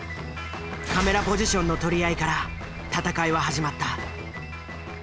カメラポジションの取り合いから戦いは始まった。